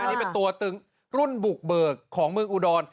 อันนี้เป็นตัวตึงรุ่นบุกเบิกของเมืองอุดร